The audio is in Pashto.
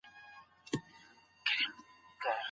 څېړنه په لغت کې موندنې ته وايي.